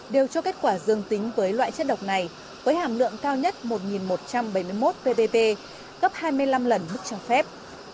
đều cho kết quả dương tính với loại chất độc này với hàm lượng cao nhất một một trăm bảy mươi một ppp gấp hai mươi năm lần mức cho phép